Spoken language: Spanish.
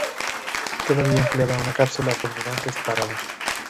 Todavía empleaba una cápsula fulminante separada.